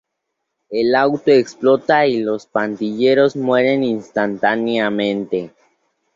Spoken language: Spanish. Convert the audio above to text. El auto explota y los pandilleros mueren instantáneamente.